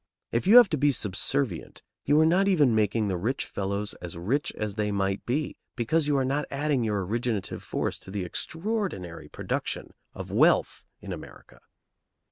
If you have to be subservient, you are not even making the rich fellows as rich as they might be, because you are not adding your originative force to the extraordinary production of wealth in America.